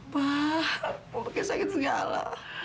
bahwa pakai segala